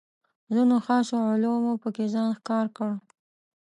ځینو خاصو علومو پکې ځان ښکاره کړ.